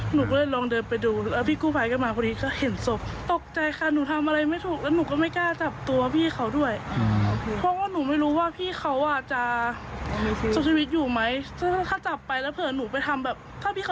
หนูก็เลยลองเดินไปดูพี่กู้ภัยกันมาพลิก